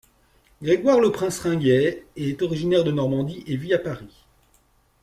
Grégoire Leprince-Ringuet est originaire de Normandie et vit à Paris.